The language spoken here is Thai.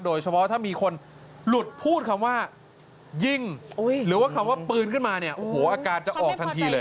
โดยเฉพาะถ้ามีคนหลุดพูดคำว่ายิงหรือว่าคำว่าปืนขึ้นมาเนี่ยโอ้โหอาการจะออกทันทีเลย